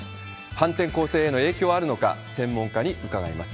反転攻勢への影響はあるのか、専門家に伺います。